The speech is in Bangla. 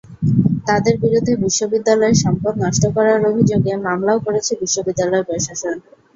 তাঁদের বিরুদ্ধে বিশ্ববিদ্যালয়ের সম্পদ নষ্ট করার অভিযোগে মামলাও করেছে বিশ্ববিদ্যালয় প্রশাসন।